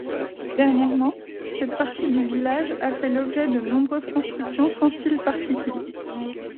Dernièrement, cette partie du village a fait l'objet de nombreuses constructions sans style particulier.